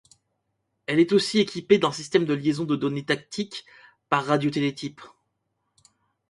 Elle est aussi équipée d'un système de liaison de données tactiques par radiotélétype.